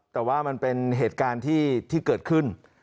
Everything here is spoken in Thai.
แต่ว่ามันเป็นเหตุการณ์ที่เกิดขึ้น